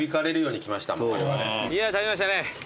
いや食べましたね。